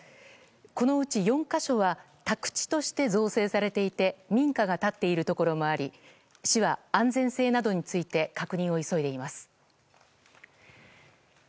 このうち４か所は宅地として造成されていて民家が立っているところもあり市は安全性などについて確認を急いでいます。